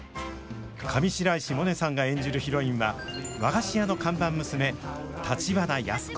上白石萌音さんが演じるヒロインは和菓子屋の看板娘・橘安子。